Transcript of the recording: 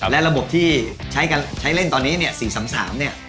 และระบบที่ใช้เล่นตอนนี้เนี่ย๔๓๓เนี่ย